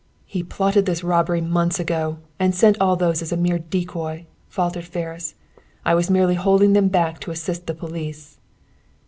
"He plotted this robbery months ago, and sent all those as a mere decoy," faltered Ferris. "I was merely holding them back to assist the police."